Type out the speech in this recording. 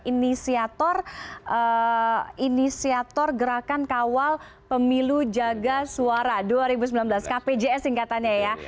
inisiator inisiator gerakan kawal pemilu jaga suara dua ribu sembilan belas kpjs singkatannya ya